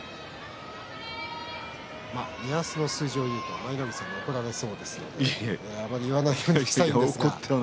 目安の数字を言うと舞の海さんに怒られそうなのであまり言わないようにしたいんですが。